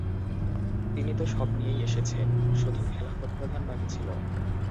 তিনি তো সব নিয়েই এসেছেন, শুধু খেলাফতপ্রধান বাকি ছিল’।